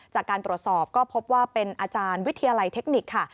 จากการตรวจสอบก็พบว่าเป็นอาจารย์วิทยาลัยเทคนิคค่ะ